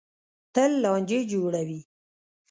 تل لانجې جوړوي.